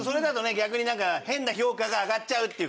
逆になんか変な評価が上がっちゃうっていうかね。